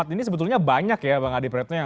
ini sebetulnya banyak ya bang adi praetno yang